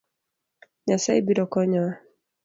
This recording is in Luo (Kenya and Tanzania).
Nyasaye biro konyowa